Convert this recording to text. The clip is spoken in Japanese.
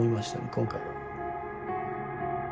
今回は。